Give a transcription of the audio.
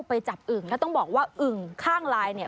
แล้วต้องบอกว่าอึงข้างลายเนี่ย